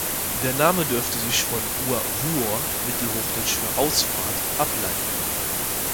Der Name dürfte sich von "Urvuor" (mittelhochdeutsch für "Ausfahrt") ableiten.